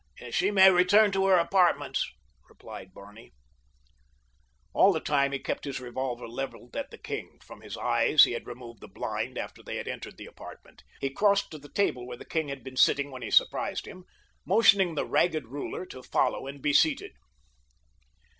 "She may return to her apartments," replied Barney. All the time he kept his revolver leveled at the king, from his eyes he had removed the blind after they had entered the apartment. He crossed to the table where the king had been sitting when he surprised him, motioning the ragged ruler to follow and be seated.